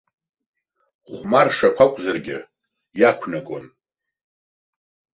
Хәмаршақә акәзаргьы иақәнагон!